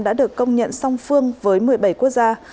đã được công nhận song phương với một mươi bảy quốc gia